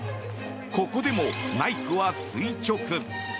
ここでもナイフは垂直。